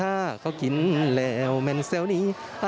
และก็มีการกินยาละลายริ่มเลือดแล้วก็ยาละลายขายมันมาเลยตลอดครับ